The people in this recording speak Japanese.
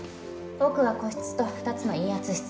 奥は個室と２つの陰圧室。